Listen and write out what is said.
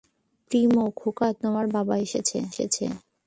প্রিমো, খোকা, তোমার বাবা এসেছে!